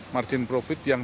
margin profit yang